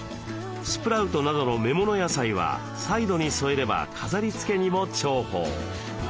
スプラウトなどの芽もの野菜はサイドに添えれば飾りつけにも重宝。